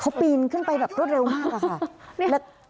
เขาปีนขึ้นไปแบบรวดเร็วมากอะค่ะ